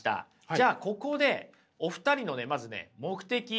じゃあここでお二人のねまずね目的意識。